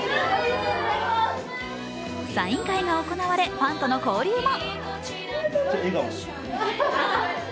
サイン会が行われ、ファンとの交流も。